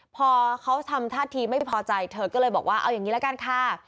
พอเขาทำท่าทีไม่พอใจเธอก็เลยบอกว่าเอาอย่างนี้ละกันค่ะ